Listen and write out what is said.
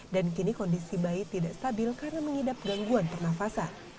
dan kini kondisi bayi tidak stabil karena mengidap gangguan pernafasan